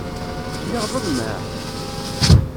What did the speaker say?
Lliɣ ḍelmeɣ?